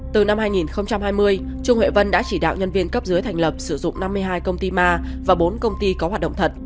từ năm hai nghìn hai mươi trung huệ vân đã chỉ đạo nhân viên cấp dưới thành lập sử dụng năm mươi hai công ty ma và bốn công ty có hoạt động thật